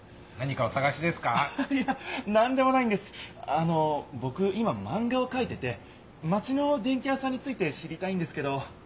あのぼく今マンガをかいててマチの電器屋さんについて知りたいんですけど。